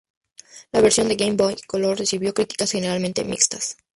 La versión de Game Boy Color recibió críticas generalmente mixtas.